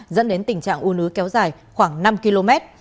dẫn đến tình trạng u nứ kéo dài khoảng năm km